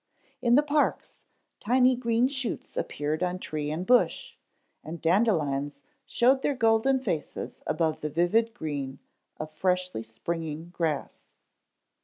In the parks tiny green shoots appeared on tree and bush, and dandelions showed their golden faces above the vivid green of freshly springing grass.